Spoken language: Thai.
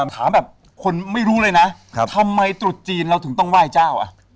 ถามแบบคนไม่รู้เลยนะทำไมตรุษจีนเราถึงต้องไหว้เจ้าอ่ะ